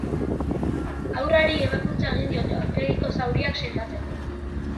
Haurrari ebakuntza egin diote, aurpegiko zauriak sendatzeko.